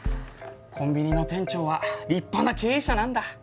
コンビニの店長は立派な経営者なんだ。